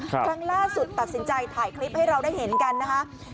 ครั้งล่าสุดตัดสินใจถ่ายคลิปให้เราได้เห็นกันนะคะ